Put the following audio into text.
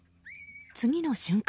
次の瞬間。